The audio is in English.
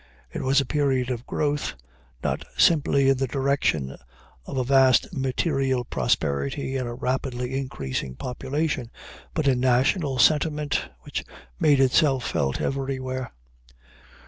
It was a period of growth, not simply in the direction of a vast material prosperity and a rapidly increasing population, but in national sentiment, which made itself felt everywhere.